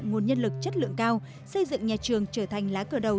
nguồn nhân lực chất lượng cao xây dựng nhà trường trở thành lá cờ đầu